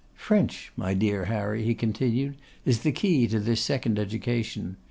'French, my dear Harry,' he continued, 'is the key to this second education.